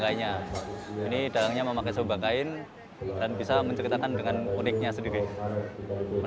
jadi saya yakin ada banyak cara untuk menjaga eksistensi wayang beber dalam materi pembelajaran di lembaga pendidikan